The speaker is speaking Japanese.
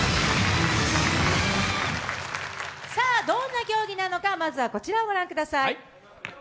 どんな競技なのかまずはこちらをご覧ください。